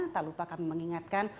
tak lupa kami mengingatkan